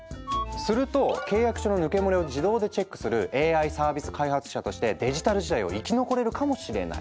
すると契約書の抜け漏れを自動でチェックするＡＩサービス開発者としてデジタル時代を生き残れるかもしれない。